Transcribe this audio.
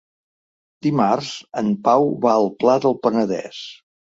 Dimarts en Pau va al Pla del Penedès.